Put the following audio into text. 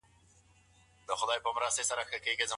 ایا نبي ته اجازه سته چي نقاشي سوي ځای ته ورسي؟